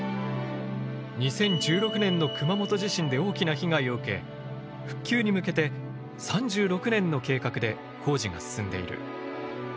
２０１６年の熊本地震で大きな被害を受け復旧に向けて３６年の計画で工事が進んでいる。